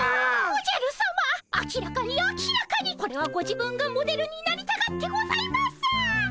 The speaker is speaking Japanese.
おじゃるさま明らかに明らかにこれはご自分がモデルになりたがってございます。